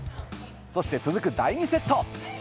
そして続く第２セット。